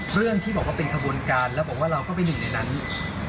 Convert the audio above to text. เรื่องที่บอกว่าเป็นขบวนการแล้วบอกว่าเราก็เป็นหนึ่งในนั้น